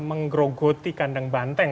menggrokoti kandang banteng